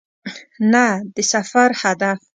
نه د سفر هدف .